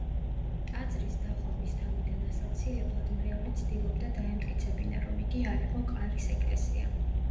ტაძრის დახურვის თავიდან ასაცილებლად მრევლი ცდილობდა დაემტკიცებინა, რომ იგი არ იყო კარის ეკლესია.